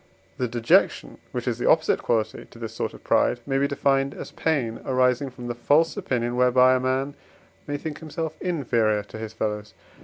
The dejection, which is the opposite quality to this sort of pride, may be defined as pain arising from the false opinion, whereby a man may think himself inferior to his fellows.